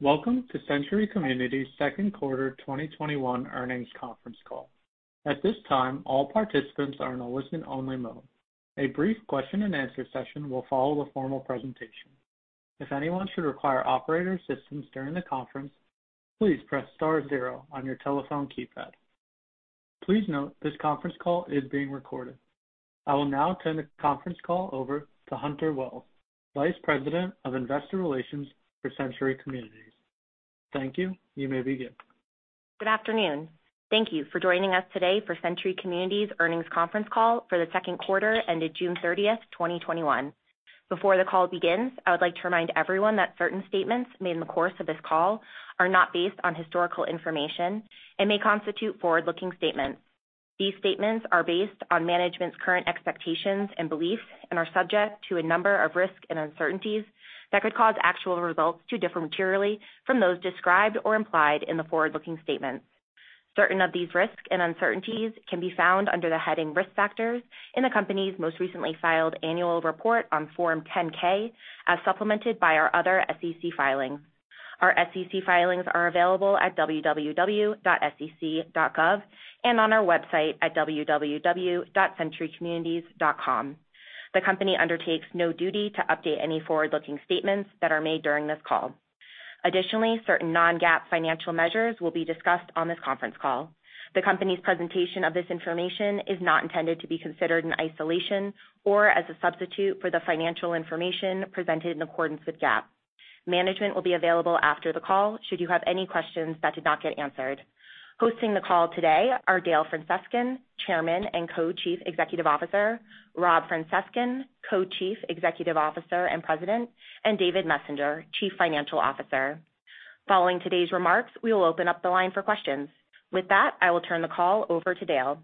Welcome to Century Communities' second quarter 2021 earnings conference call. I will now turn the conference call over to Hunter Wells, Vice President of Investor Relations for Century Communities. Thank you. You may begin. Good afternoon. Thank you for joining us today for Century Communities' earnings conference call for the second quarter ended June 30th, 2021. Before the call begins, I would like to remind everyone that certain statements made in the course of this call are not based on historical information and may constitute forward-looking statements. These statements are based on management's current expectations and beliefs and are subject to a number of risks and uncertainties that could cause actual results to differ materially from those described or implied in the forward-looking statements. Certain of these risks and uncertainties can be found under the heading Risk Factors in the company's most recently filed annual report on Form 10-K, as supplemented by our other SEC filings. Our SEC filings are available at www.sec.gov and on our website at www.centurycommunities.com. The company undertakes no duty to update any forward-looking statements that are made during this call. Additionally, certain non-GAAP financial measures will be discussed on this conference call. The company's presentation of this information is not intended to be considered in isolation or as a substitute for the financial information presented in accordance with GAAP. Management will be available after the call, should you have any questions that did not get answered. Hosting the call today are Dale Francescon, Chairman and Co-Chief Executive Officer, Rob Francescon, Co-Chief Executive Officer and President, and David Messenger, Chief Financial Officer. Following today's remarks, we will open up the line for questions. With that, I will turn the call over to Dale.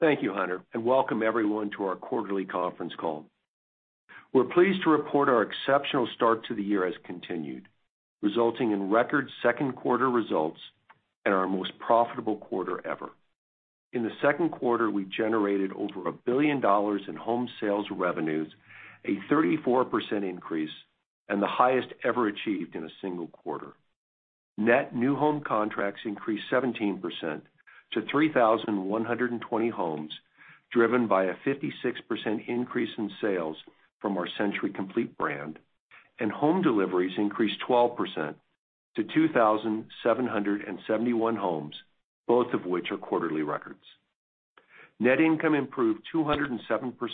Thank you, Hunter, and welcome everyone to our quarterly conference call. We're pleased to report our exceptional start to the year has continued, resulting in record second quarter results and our most profitable quarter ever. In the second quarter, we generated over $1 billion in home sales revenues, a 34% increase, and the highest ever achieved in a single quarter. Net new home contracts increased 17% to 3,120 homes, driven by a 56% increase in sales from our Century Complete brand, and home deliveries increased 12% to 2,771 homes, both of which are quarterly records. Net income improved 207%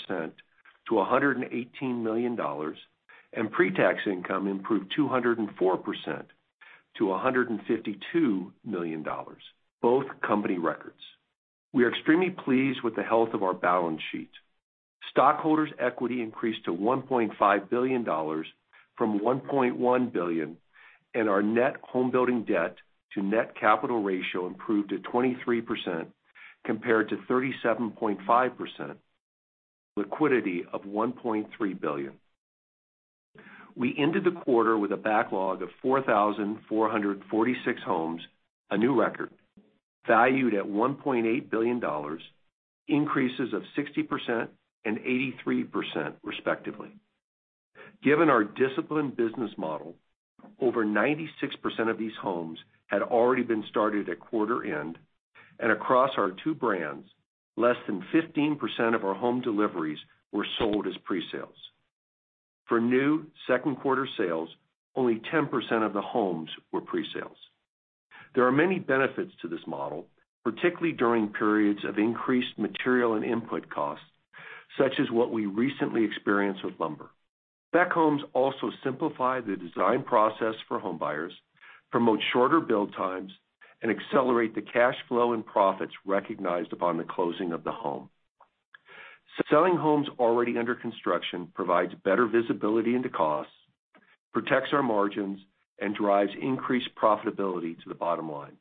to $118 million, and pre-tax income improved 204% to $152 million, both company records. We are extremely pleased with the health of our balance sheet. Stockholders' equity increased to $1.5 billion from $1.1 billion, and our net home building debt to net capital ratio improved to 23% compared to 37.5%, liquidity of $1.3 billion. We ended the quarter with a backlog of 4,446 homes, a new record, valued at $1.8 billion, increases of 60% and 83% respectively. Given our disciplined business model, over 96% of these homes had already been started at quarter end, and across our two brands, less than 15% of our home deliveries were sold as pre-sales. For new second quarter sales, only 10% of the homes were pre-sales. There are many benefits to this model, particularly during periods of increased material and input costs, such as what we recently experienced with lumber. Spec homes also simplify the design process for homebuyers, promote shorter build times, and accelerate the cash flow and profits recognized upon the closing of the home. Selling homes already under construction provides better visibility into costs, protects our margins, and drives increased profitability to the bottom line.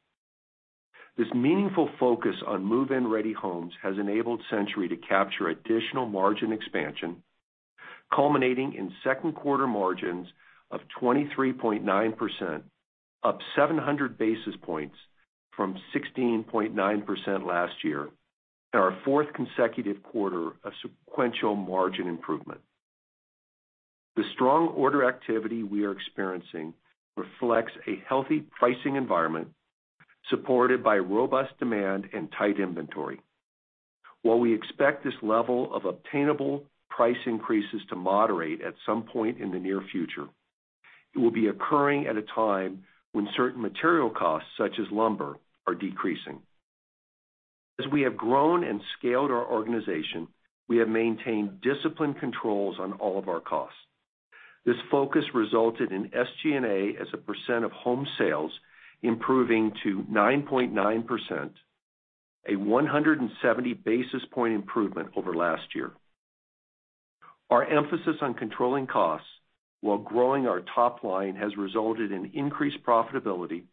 This meaningful focus on move-in-ready homes has enabled Century to capture additional margin expansion, culminating in second quarter margins of 23.9%, up 700 basis points from 16.9% last year, and our fourth consecutive quarter of sequential margin improvement. The strong order activity we are experiencing reflects a healthy pricing environment supported by robust demand and tight inventory. While we expect this level of obtainable price increases to moderate at some point in the near future, it will be occurring at a time when certain material costs, such as lumber, are decreasing. As we have grown and scaled our organization, we have maintained disciplined controls on all of our costs. This focus resulted in SG&A as a percent of home sales improving to 9.9%, a 170 basis point improvement over last year. Our emphasis on controlling costs while growing our top line has resulted in increased profitability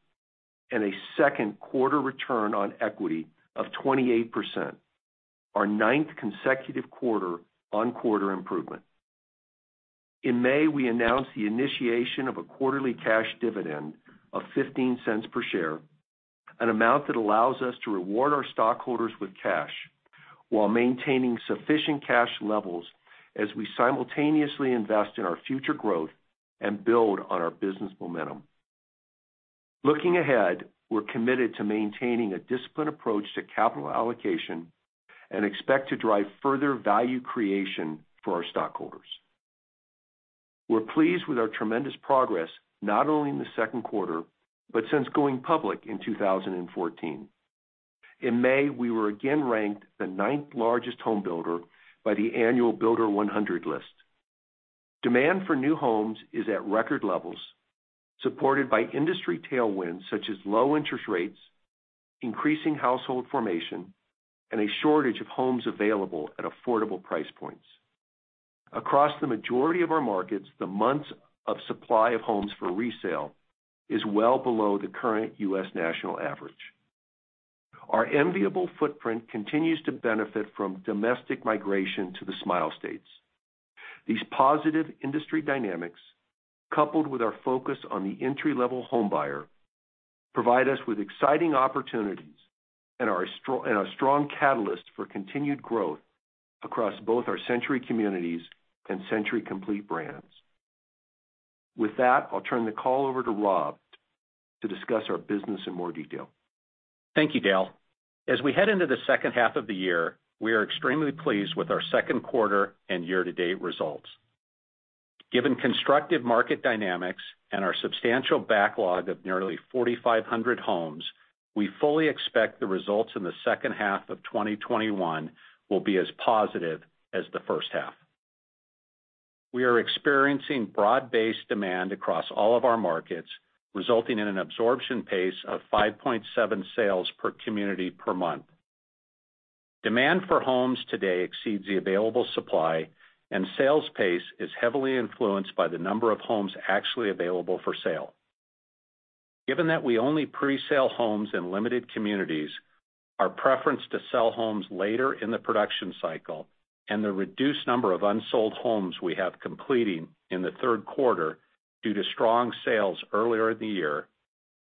and a second quarter return on equity of 28%, our ninth consecutive quarter-over-quarter improvement. In May, we announced the initiation of a quarterly cash dividend of $0.15 per share. An amount that allows us to reward our stockholders with cash while maintaining sufficient cash levels as we simultaneously invest in our future growth and build on our business momentum. Looking ahead, we're committed to maintaining a disciplined approach to capital allocation and expect to drive further value creation for our stockholders. We're pleased with our tremendous progress, not only in the second quarter, but since going public in 2014. In May, we were again ranked the ninth-largest home builder by the annual Builder 100 list. Demand for new homes is at record levels, supported by industry tailwinds such as low interest rates, increasing household formation, and a shortage of homes available at affordable price points. Across the majority of our markets, the months of supply of homes for resale is well below the current U.S. national average. Our enviable footprint continues to benefit from domestic migration to the Smile States. These positive industry dynamics, coupled with our focus on the entry-level homebuyer, provide us with exciting opportunities and a strong catalyst for continued growth across both our Century Communities and Century Complete brands. With that, I'll turn the call over to Rob to discuss our business in more detail. Thank you, Dale. As we head into the second half of the year, we are extremely pleased with our second quarter and year-to-date results. Given constructive market dynamics and our substantial backlog of nearly 4,500 homes, we fully expect the results in the second half of 2021 will be as positive as the first half. We are experiencing broad-based demand across all of our markets, resulting in an absorption pace of 5.7 sales per community per month. Demand for homes today exceeds the available supply, and sales pace is heavily influenced by the number of homes actually available for sale. Given that we only pre-sale homes in limited communities, our preference to sell homes later in the production cycle, and the reduced number of unsold homes we have completing in the third quarter due to strong sales earlier in the year,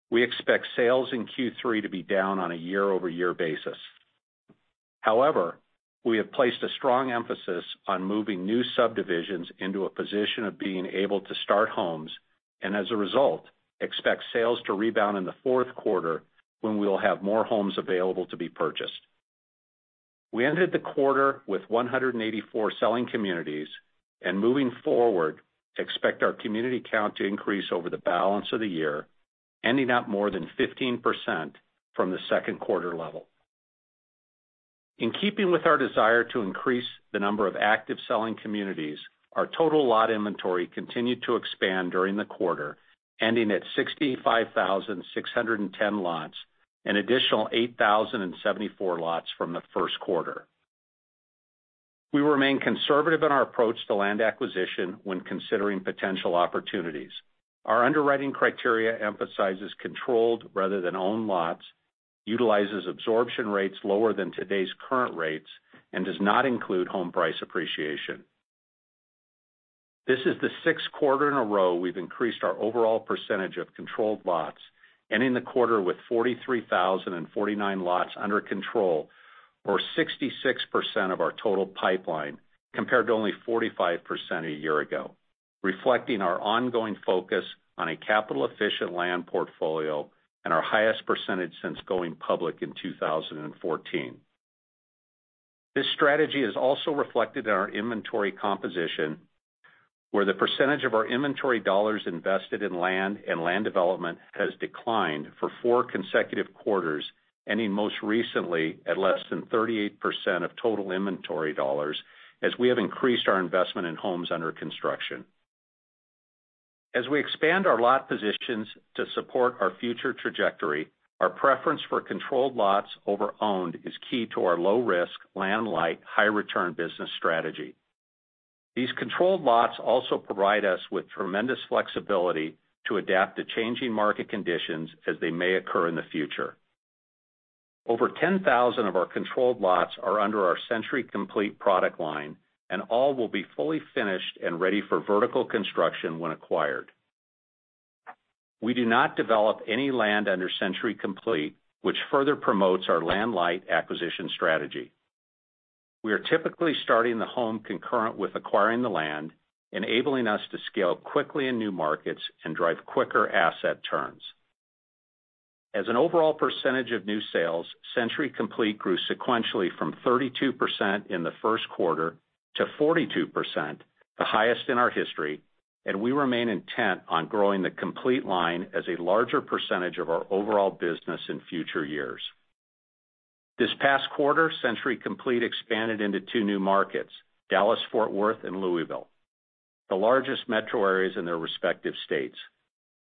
we expect sales in Q3 to be down on a year-over-year basis. However, we have placed a strong emphasis on moving new subdivisions into a position of being able to start homes, and as a result, expect sales to rebound in the fourth quarter when we'll have more homes available to be purchased. We ended the quarter with 184 selling communities, and moving forward, expect our community count to increase over the balance of the year, ending up more than 15% from the second quarter level. In keeping with our desire to increase the number of active selling communities, our total lot inventory continued to expand during the quarter, ending at 65,610 lots, an additional 8,074 lots from the first quarter. We remain conservative in our approach to land acquisition when considering potential opportunities. Our underwriting criteria emphasizes controlled rather than owned lots, utilizes absorption rates lower than today's current rates, and does not include home price appreciation. This is the sixth quarter in a row we've increased our overall percentage of controlled lots, ending the quarter with 43,049 lots under control, or 66% of our total pipeline, compared to only 45% a year ago, reflecting our ongoing focus on a capital-efficient land portfolio and our highest percentage since going public in 2014. This strategy is also reflected in our inventory composition, where the percentage of our inventory dollars invested in land and land development has declined for four consecutive quarters, ending most recently at less than 38% of total inventory dollars as we have increased our investment in homes under construction. As we expand our lot positions to support our future trajectory, our preference for controlled lots over owned is key to our low-risk, land-light, high-return business strategy. These controlled lots also provide us with tremendous flexibility to adapt to changing market conditions as they may occur in the future. Over 10,000 of our controlled lots are under our Century Complete product line, and all will be fully finished and ready for vertical construction when acquired. We do not develop any land under Century Complete, which further promotes our land-light acquisition strategy. We are typically starting the home concurrent with acquiring the land, enabling us to scale quickly in new markets and drive quicker asset turns. As an overall percentage of new sales, Century Complete grew sequentially from 32% in the first quarter to 42%, the highest in our history, and we remain intent on growing the Complete line as a larger percentage of our overall business in future years. This past quarter, Century Complete expanded into two new markets, Dallas-Fort Worth and Louisville, the largest metro areas in their respective states.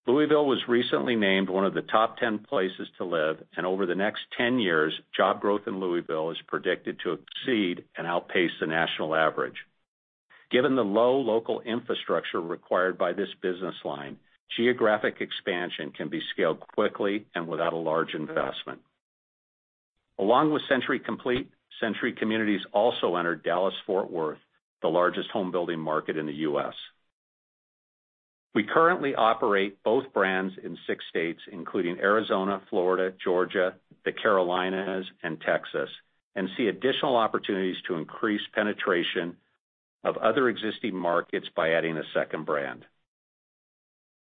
Louisville was recently named one of the top 10 places to live, and over the next 10 years, job growth in Louisville is predicted to exceed and outpace the national average. Given the low local infrastructure required by this business line, geographic expansion can be scaled quickly and without a large investment. Along with Century Complete, Century Communities also entered Dallas-Fort Worth, the largest home building market in the U.S. We currently operate both brands in six states, including Arizona, Florida, Georgia, the Carolinas, and Texas, and see additional opportunities to increase penetration of other existing markets by adding a second brand.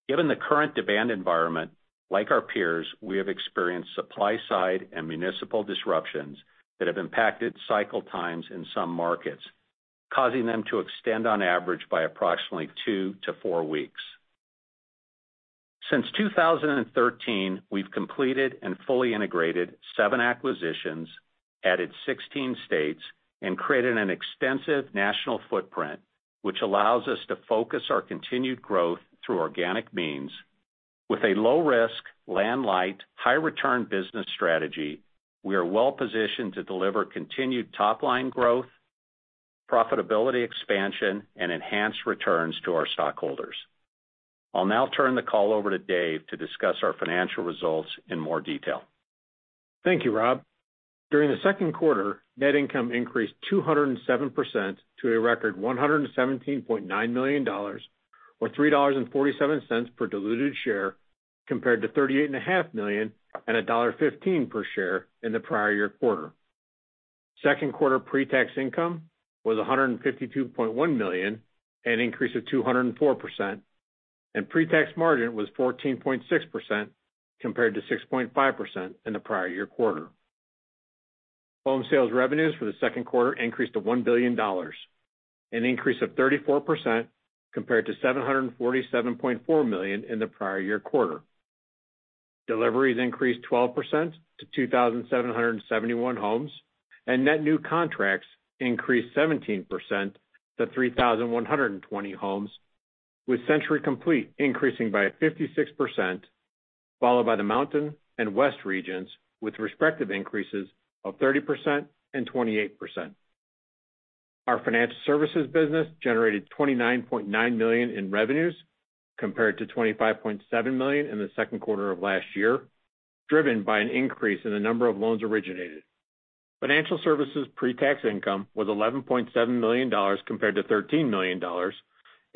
Given the current demand environment, like our peers, we have experienced supply-side and municipal disruptions that have impacted cycle times in some markets, causing them to extend on average by approximately two to four weeks. Since 2013, we've completed and fully integrated seven acquisitions, added 16 states, and created an extensive national footprint, which allows us to focus our continued growth through organic means. With a low-risk, land-light, high-return business strategy, we are well-positioned to deliver continued top-line growth, profitability expansion, and enhanced returns to our stockholders. I'll now turn the call over to Dave to discuss our financial results in more detail. Thank you, Rob. During the second quarter, net income increased 207% to a record $117.9 million, or $3.47 per diluted share, compared to $38.5 million and $1.15 per share in the prior year quarter. Second quarter pre-tax income was $152.1 million, an increase of 204%, and pre-tax margin was 14.6% compared to 6.5% in the prior year quarter. Home sales revenues for the second quarter increased to $1 billion, an increase of 34% compared to $747.4 million in the prior year quarter. Deliveries increased 12% to 2,771 homes, and net new contracts increased 17% to 3,120 homes, with Century Complete increasing by 56%, followed by the Mountain and West regions with respective increases of 30% and 28%. Our financial services business generated $29.9 million in revenues compared to $25.7 million in the second quarter of last year, driven by an increase in the number of loans originated. Financial services pre-tax income was $11.7 million compared to $13 million,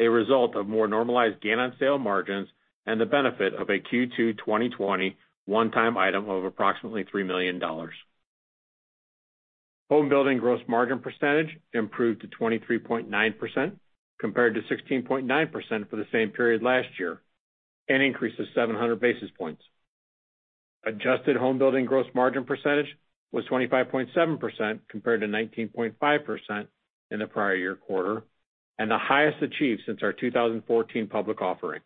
a result of more normalized gain on sale margins and the benefit of a Q2 2020 one-time item of approximately $3 million. Home building gross margin percentage improved to 23.9% compared to 16.9% for the same period last year, an increase of 700 basis points. Adjusted home building gross margin percentage was 25.7% compared to 19.5% in the prior year quarter and the highest achieved since our 2014 public offering.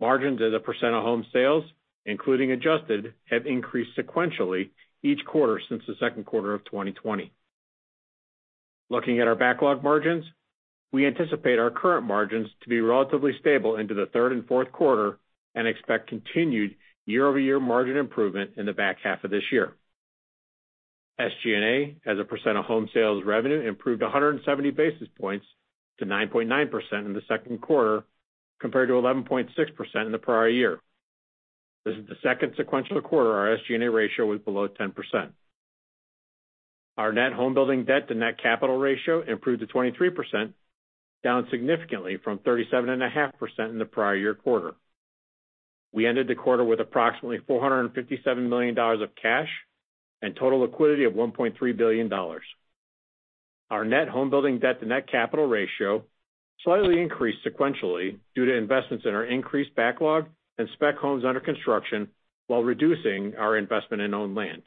Margins as a percent of home sales, including adjusted, have increased sequentially each quarter since the second quarter of 2020. Looking at our backlog margins, we anticipate our current margins to be relatively stable into the third and fourth quarter and expect continued year-over-year margin improvement in the back half of this year. SG&A as a percent of home sales revenue improved 170 basis points to 9.9% in the second quarter, compared to 11.6% in the prior year. This is the second sequential quarter our SG&A ratio was below 10%. Our net home building debt to net capital ratio improved to 23%, down significantly from 37.5% in the prior year quarter. We ended the quarter with approximately $457 million of cash and total liquidity of $1.3 billion. Our net home building debt to net capital ratio slightly increased sequentially due to investments in our increased backlog and spec homes under construction while reducing our investment in owned land.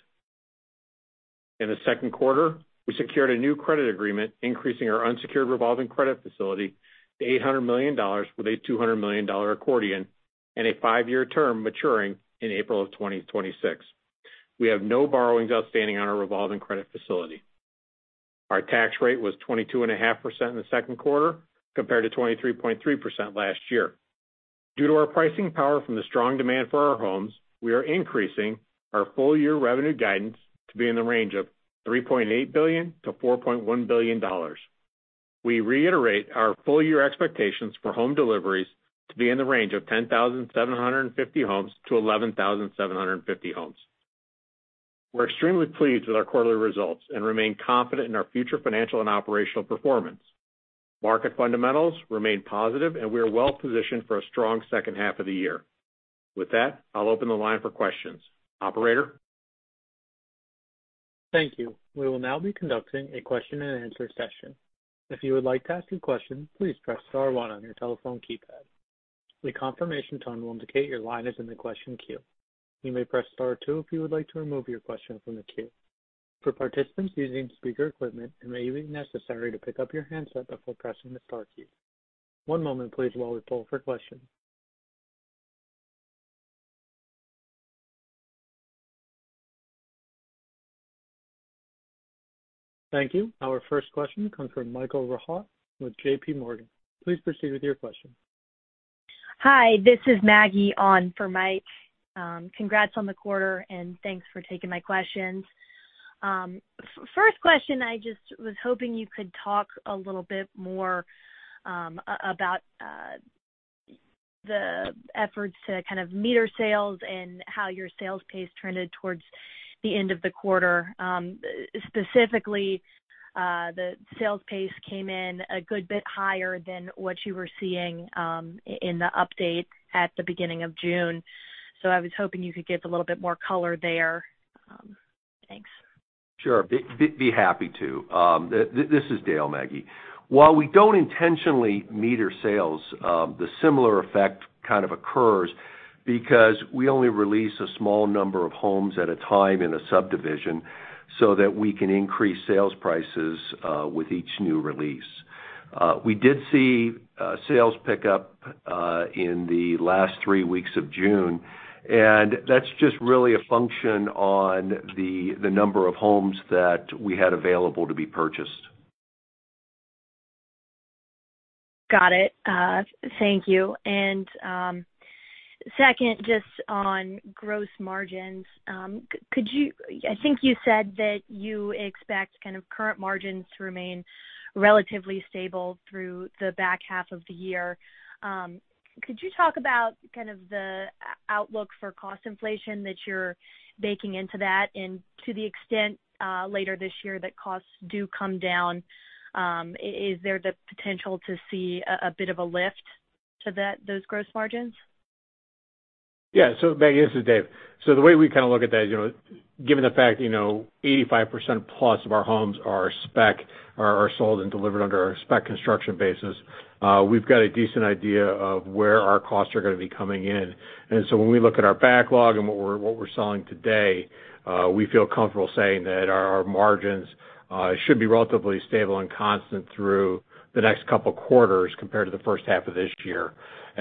In the second quarter, we secured a new credit agreement, increasing our unsecured revolving credit facility to $800 million with a $200 million accordion and a five-year term maturing in April of 2026. We have no borrowings outstanding on our revolving credit facility. Our tax rate was 22.5% in the second quarter compared to 23.3% last year. Due to our pricing power from the strong demand for our homes, we are increasing our full year revenue guidance to be in the range of $3.8 billion-$4.1 billion. We reiterate our full year expectations for home deliveries to be in the range of 10,750-11,750 homes. We're extremely pleased with our quarterly results and remain confident in our future financial and operational performance. Market fundamentals remain positive, and we are well positioned for a strong second half of the year. With that, I'll open the line for questions. Operator? Thank you. We will now be conducting a question-and-answer session. Thank you. Our first question comes from Michael Rehaut with JPMorgan. Please proceed with your question. Hi, this is Maggie on for Mike. Congrats on the quarter. Thanks for taking my questions. First question, I just was hoping you could talk a little bit more about the efforts to kind of meter sales and how your sales pace trended towards the end of the quarter. Specifically, the sales pace came in a good bit higher than what you were seeing in the update at the beginning of June. I was hoping you could give a little bit more color there. Thanks. Sure. Be happy to. This is Dale, Maggie. While we don't intentionally meter sales, the similar effect kind of occurs because we only release a small number of homes at a time in a subdivision so that we can increase sales prices with each new release. We did see sales pick up in the last three weeks of June, that's just really a function on the number of homes that we had available to be purchased. Got it, thank you. Second, just on gross margins, I think you said that you expect kind of current margins to remain relatively stable through the back half of the year. Could you talk about kind of the outlook for cost inflation that you're baking into that? To the extent later this year that costs do come down, is there the potential to see a bit of a lift to those gross margins? Yeah. Maggie, this is Dave. The way we kind of look at that, given the fact 85%+ of our homes are sold and delivered under our spec construction basis, we've got a decent idea of where our costs are going to be coming in. When we look at our backlog and what we're selling today, we feel comfortable saying that our margins should be relatively stable and constant through the next couple quarters compared to the first half of this year.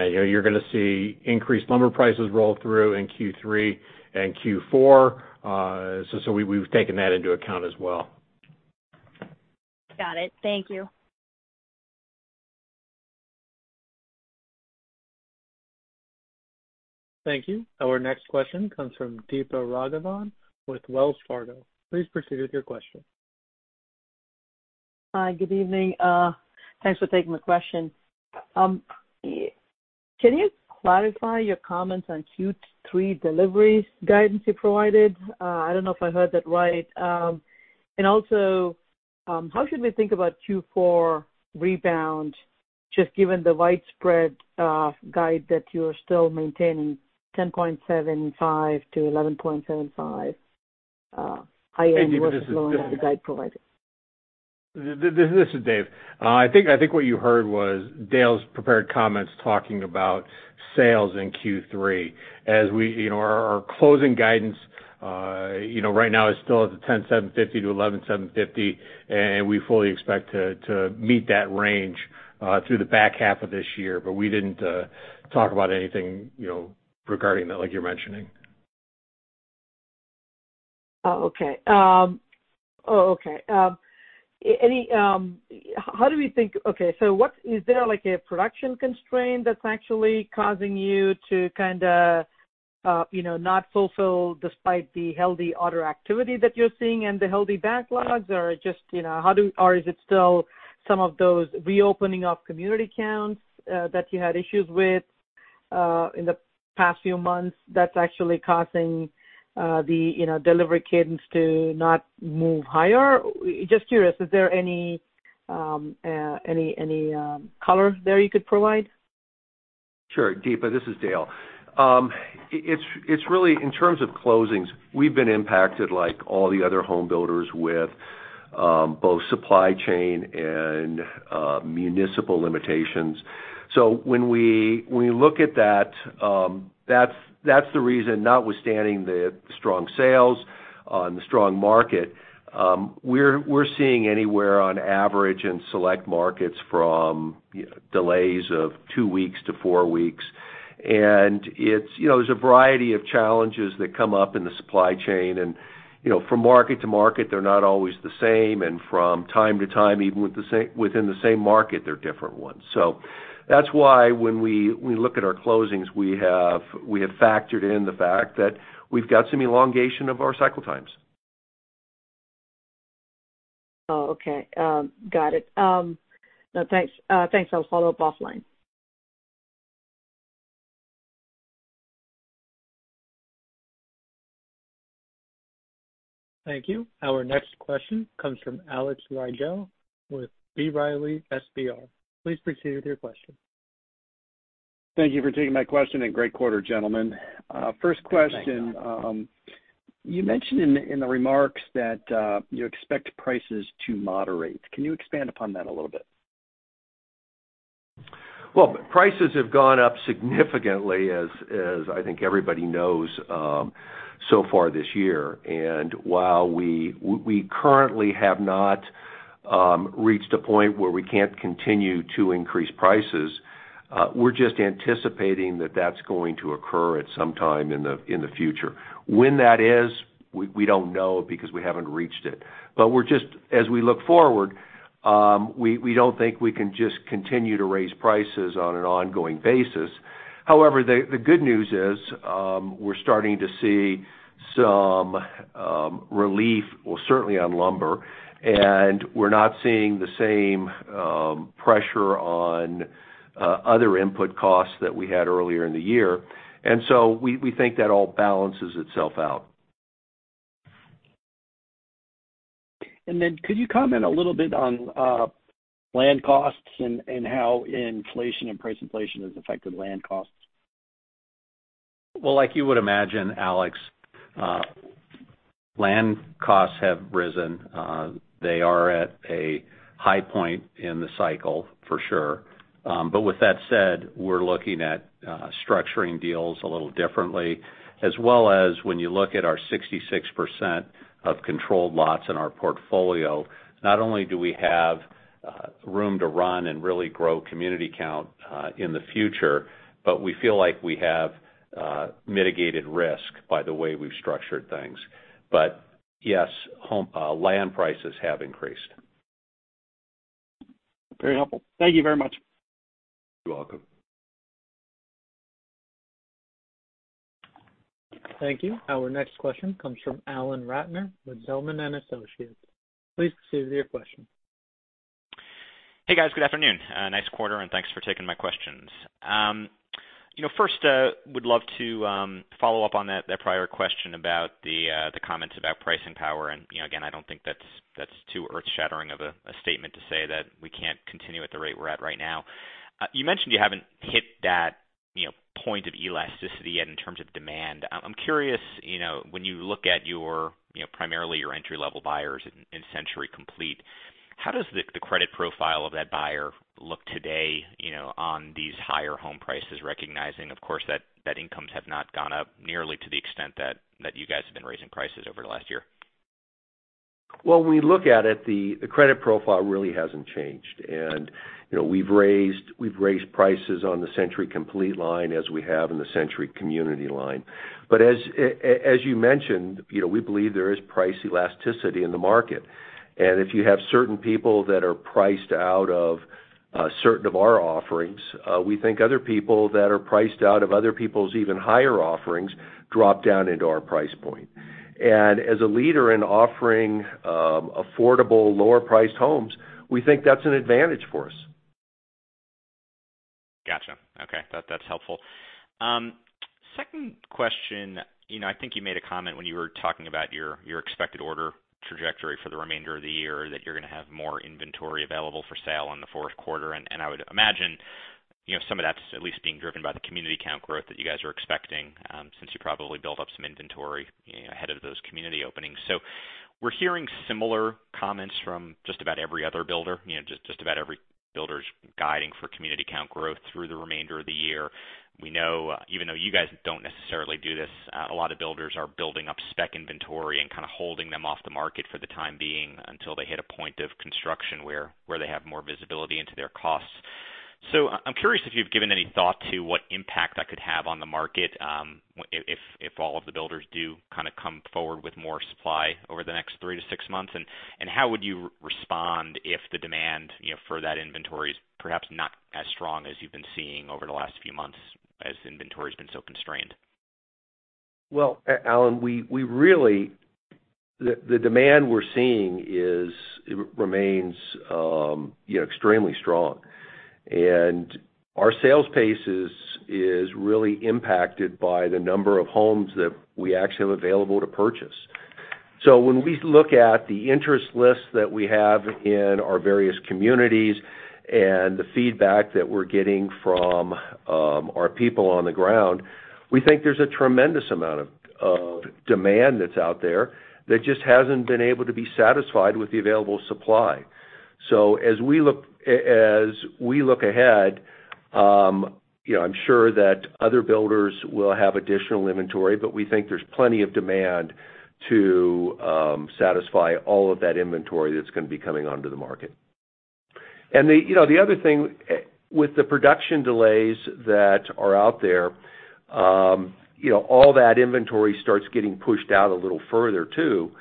You're going to see increased lumber prices roll through in Q3 and Q4. We've taken that into account as well. Got it, thank you. Thank you. Our next question comes from Deepa Raghavan with Wells Fargo. Please proceed with your question. Hi, good evening. Thanks for taking my question. Can you clarify your comments on Q3 deliveries guidance you provided? I don't know if I heard that right. How should we think about Q4 rebound, just given the widespread guide that you're still maintaining, 10.75-11.75 high end versus low end of the guide provided? This is Dave. I think what you heard was Dale's prepared comments talking about sales in Q3. Our closing guidance right now is still at the 10,750-11,750, and we fully expect to meet that range through the back half of this year, but we didn't talk about anything regarding that like you're mentioning. Okay. Is there a production constraint that's actually causing you to kind of not fulfill despite the healthy order activity that you're seeing and the healthy backlogs? Or is it still some of those reopening of community counts that you had issues with in the past few months that's actually causing the delivery cadence to not move higher? Just curious, is there any color there you could provide? Sure, Deepa, this is Dale. It's really in terms of closings, we've been impacted like all the other home builders with both supply chain and municipal limitations. When we look at that's the reason, notwithstanding the strong sales and the strong market, we're seeing anywhere on average in select markets from delays of two weeks to four weeks. There's a variety of challenges that come up in the supply chain and from market to market, they're not always the same, and from time to time, even within the same market, they're different ones. That's why when we look at our closings, we have factored in the fact that we've got some elongation of our cycle times. Oh, okay. Got it. No, thanks. I'll follow up offline. Thank you. Our next question comes from Alex Rygiel with B. Riley Securities. Please proceed with your question. Thank you for taking my question, and great quarter, gentlemen. Thanks, Alex. First question, you mentioned in the remarks that you expect prices to moderate. Can you expand upon that a little bit? Well, prices have gone up significantly as I think everybody knows so far this year. While we currently have not reached a point where we can't continue to increase prices, we're just anticipating that that's going to occur at some time in the future. When that is, we don't know because we haven't reached it. As we look forward, we don't think we can just continue to raise prices on an ongoing basis. However, the good news is, we're starting to see some relief, well, certainly on lumber. We're not seeing the same pressure on other input costs that we had earlier in the year. We think that all balances itself out. Could you comment a little bit on land costs and how inflation and price inflation has affected land costs? Like you would imagine, Alex, land costs have risen. They are at a high point in the cycle for sure. With that said, we're looking at structuring deals a little differently, as well as when you look at our 66% of controlled lots in our portfolio, not only do we have room to run and really grow community count in the future, but we feel like we have mitigated risk by the way we've structured things. Yes, land prices have increased. Very helpful. Thank you very much. You're welcome. Thank you. Our next question comes from Alan Ratner with Zelman & Associates. Please proceed with your question. Hey, guys. Good afternoon. Nice quarter, and thanks for taking my questions. First, would love to follow up on that prior question about the comments about pricing power. Again, I don't think that's too earth-shattering of a statement to say that we can't continue at the rate we're at right now. You mentioned you haven't hit that point of elasticity yet in terms of demand. I'm curious, when you look at primarily your entry-level buyers in Century Complete, how does the credit profile of that buyer look today on these higher home prices, recognizing, of course, that incomes have not gone up nearly to the extent that you guys have been raising prices over the last year? Well, when we look at it, the credit profile really hasn't changed. We've raised prices on the Century Complete line as we have in the Century Communities line. As you mentioned, we believe there is price elasticity in the market. If you have certain people that are priced out of certain of our offerings, we think other people that are priced out of other people's even higher offerings drop down into our price point. As a leader in offering affordable lower-priced homes, we think that's an advantage for us. Got you. Okay, that's helpful. Second question, I think you made a comment when you were talking about your expected order trajectory for the remainder of the year, that you're going to have more inventory available for sale in the fourth quarter. And I would imagine some of that's at least being driven by the community count growth that you guys are expecting, since you probably built up some inventory ahead of those community openings. We're hearing similar comments from just about every other builder, just about every builder's guiding for community count growth through the remainder of the year. We know, even though you guys don't necessarily do this, a lot of builders are building up spec inventory and kind of holding them off the market for the time being until they hit a point of construction where they have more visibility into their costs. I'm curious if you've given any thought to what impact that could have on the market, if all of the builders do kind of come forward with more supply over the next three to six months, and how would you respond if the demand for that inventory is perhaps not as strong as you've been seeing over the last few months as inventory's been so constrained? Well, Alan, the demand we're seeing remains extremely strong. Our sales pace is really impacted by the number of homes that we actually have available to purchase. When we look at the interest list that we have in our various communities and the feedback that we're getting from our people on the ground, we think there's a tremendous amount of demand that's out there that just hasn't been able to be satisfied with the available supply. As we look ahead, I'm sure that other builders will have additional inventory, but we think there's plenty of demand to satisfy all of that inventory that's going to be coming onto the market. The other thing, with the production delays that are out there, all that inventory starts getting pushed out a little further, too.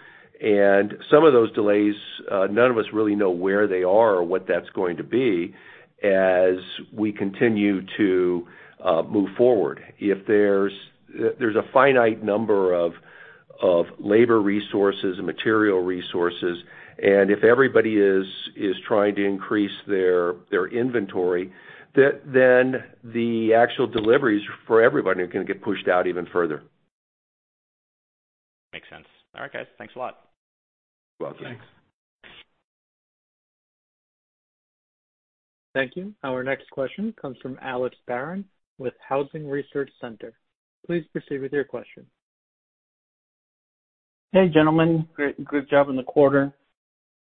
Some of those delays, none of us really know where they are or what that's going to be as we continue to move forward. If there's a finite number of labor resources and material resources, and if everybody is trying to increase their inventory, then the actual deliveries for everybody are going to get pushed out even further. Makes sense. All right, guys. Thanks a lot. You're welcome. Thank you. Our next question comes from Alex Barron with Housing Research Center. Please proceed with your question. Hey, gentlemen. Good job on the quarter.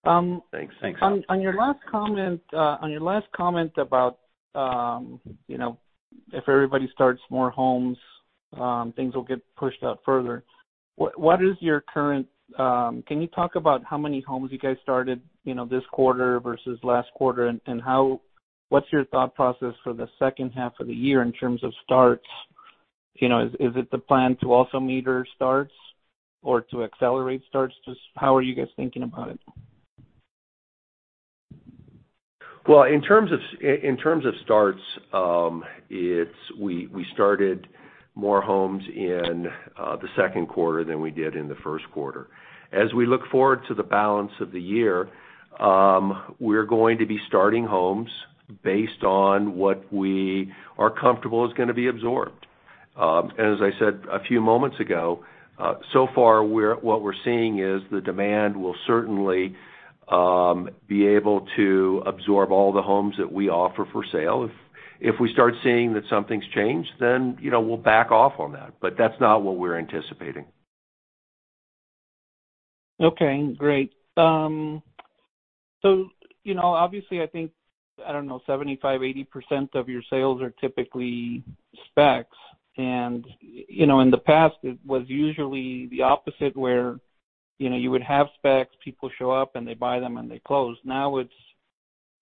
Thanks. Thanks. On your last comment about if everybody starts more homes, things will get pushed out further. Can you talk about how many homes you guys started this quarter versus last quarter, and what's your thought process for the second half of the year in terms of starts? Is it the plan to also meter starts or to accelerate starts? Just how are you guys thinking about it? Well, in terms of starts, we started more homes in the second quarter than we did in the first quarter. As we look forward to the balance of the year, we're going to be starting homes based on what we are comfortable is going to be absorbed. As I said a few moments ago, so far what we're seeing is the demand will certainly be able to absorb all the homes that we offer for sale. If we start seeing that something's changed, then we'll back off on that. That's not what we're anticipating. Okay, great. Obviously, I think, I don't know, 75%, 80% of your sales are typically specs. In the past, it was usually the opposite where you would have specs, people show up, and they buy them, and they close. Now it's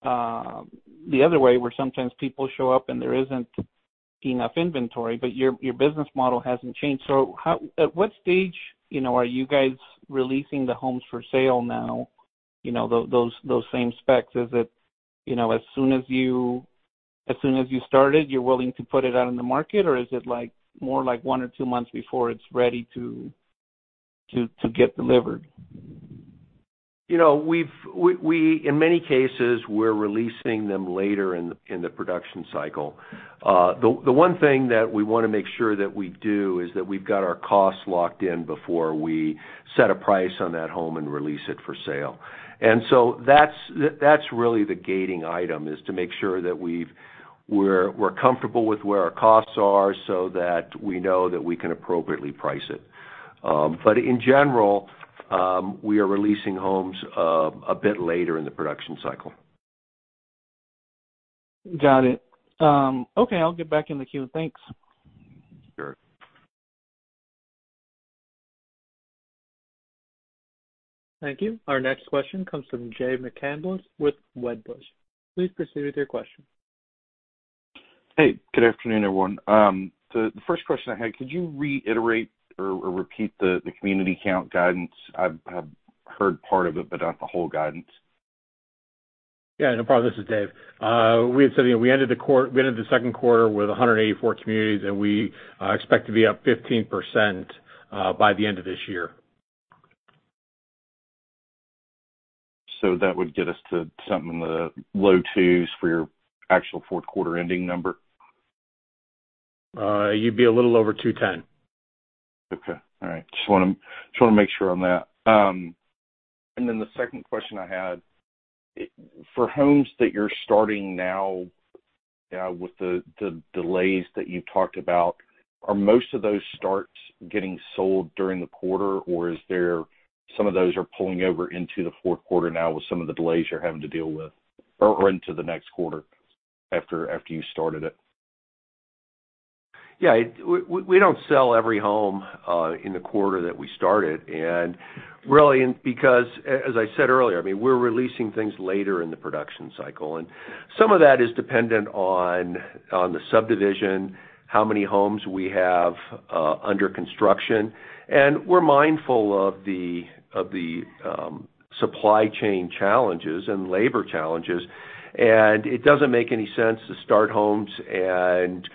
the other way, where sometimes people show up and there isn't enough inventory, but your business model hasn't changed. At what stage are you guys releasing the homes for sale now, those same specs? Is it, as soon as you start it, you're willing to put it out in the market, or is it more like one or two months before it's ready to get delivered? In many cases, we're releasing them later in the production cycle. The one thing that we want to make sure that we do is that we've got our costs locked in before we set a price on that home and release it for sale. That's really the gating item, is to make sure that we're comfortable with where our costs are so that we know that we can appropriately price it. In general, we are releasing homes a bit later in the production cycle. Got it. Okay, I'll get back in the queue. Thanks. Sure. Thank you. Our next question comes from Jay McCanless with Wedbush. Please proceed with your question. Hey, good afternoon, everyone. The first question I had, could you reiterate or repeat the community count guidance? I've heard part of it, but not the whole guidance. Yeah, no problem. This is Dave. We had said we ended the second quarter with 184 communities. We expect to be up 15% by the end of this year. That would get us to something in the low 2s for your actual fourth quarter ending number? You'd be a little over 210. Okay. All right. Just want to make sure on that. The second question I had, for homes that you're starting now with the delays that you've talked about, are most of those starts getting sold during the quarter, or is there some of those are pulling over into the fourth quarter now with some of the delays you're having to deal with? Or into the next quarter after you started it? Yeah. We don't sell every home in the quarter that we started. Really because, as I said earlier, we're releasing things later in the production cycle. Some of that is dependent on the subdivision, how many homes we have under construction, and we're mindful of the supply chain challenges and labor challenges. It doesn't make any sense to start homes and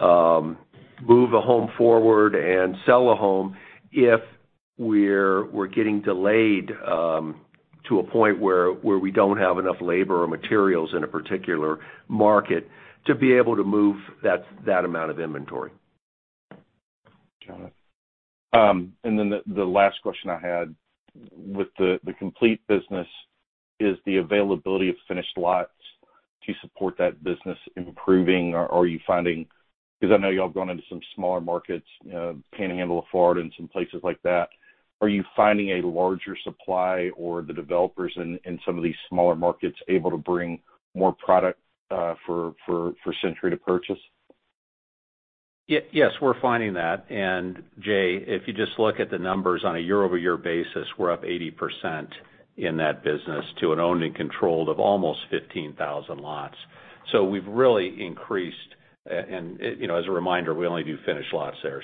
move a home forward and sell a home if we're getting delayed to a point where we don't have enough labor or materials in a particular market to be able to move that amount of inventory. Got it. The last question I had, with the Complete business, is the availability of finished lots to support that business improving? Are you finding, because I know you all have gone into some smaller markets, Panhandle of Florida and some places like that, a larger supply or the developers in some of these smaller markets able to bring more product for Century to purchase? Yes, we're finding that. Jay, if you just look at the numbers on a year-over-year basis, we're up 80% in that business to an owned and controlled of almost 15,000 lots. We've really increased, and as a reminder, we only do finished lots there.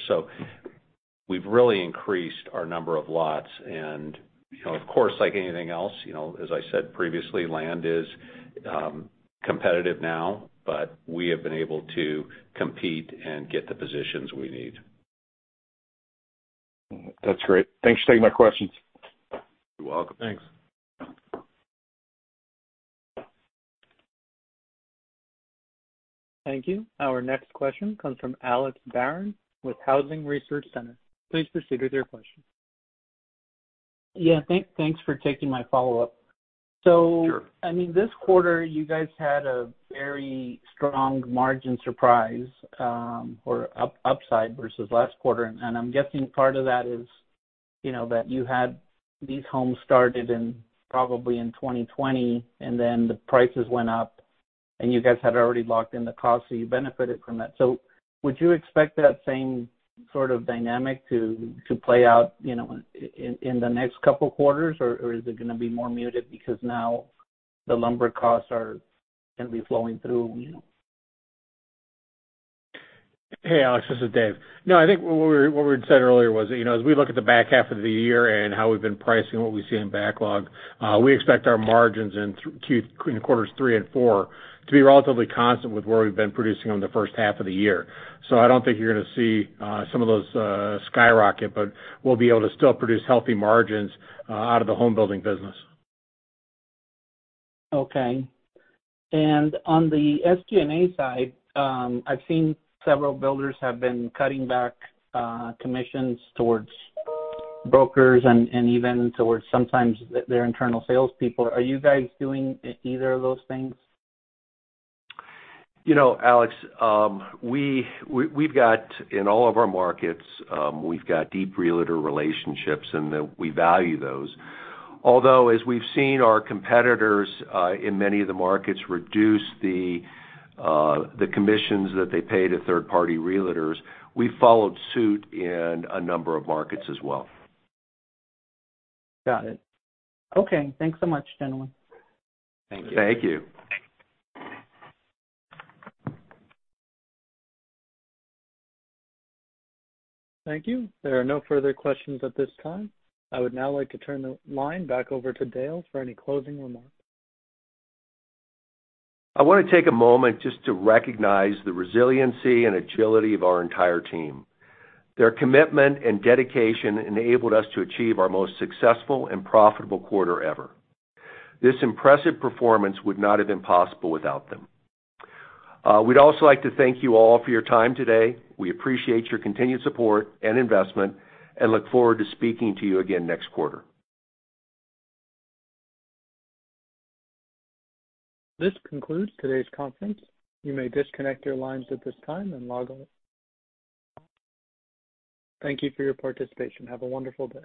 We've really increased our number of lots. Of course, like anything else, as I said previously, land is competitive now, but we have been able to compete and get the positions we need. That's great. Thanks for taking my questions. You're welcome. Thanks. Thank you. Our next question comes from Alex Barron with Housing Research Center. Please proceed with your question. Yeah, thanks for taking my follow-up. Sure. This quarter, you guys had a very strong margin surprise or upside versus last quarter, and I'm guessing part of that is that you had these homes started in probably in 2020, and then the prices went up, and you guys had already locked in the cost, so you benefited from that. Would you expect that same sort of dynamic to play out in the next couple of quarters, or is it going to be more muted because now the lumber costs are going to be flowing through? Hey, Alex, this is Dave. No, I think what we had said earlier was, as we look at the back half of the year and how we've been pricing what we see in backlog, we expect our margins in quarters three and four to be relatively constant with where we've been producing on the 1st half of the year. I don't think you're going to see some of those skyrocket, but we'll be able to still produce healthy margins out of the homebuilding business. Okay. On the SG&A side, I've seen several builders have been cutting back commissions towards brokers and even towards sometimes their internal salespeople. Are you guys doing either of those things? Alex, in all of our markets, we've got deep realtor relationships and we value those. As we've seen our competitors in many of the markets reduce the commissions that they pay to third-party realtors, we followed suit in a number of markets as well. Got it. Okay, thanks so much, gentlemen. Thank you. Thank you. There are no further questions at this time. I would now like to turn the line back over to Dale for any closing remarks. I want to take a moment just to recognize the resiliency and agility of our entire team. Their commitment and dedication enabled us to achieve our most successful and profitable quarter ever. This impressive performance would not have been possible without them. We'd also like to thank you all for your time today. We appreciate your continued support and investment and look forward to speaking to you again next quarter. This concludes today's conference. You may disconnect your lines at this time and log off. Thank you for your participation. Have a wonderful day.